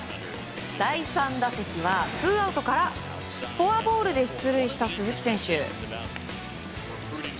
第３打席はツーアウトからフォアボールで出塁した鈴木選手。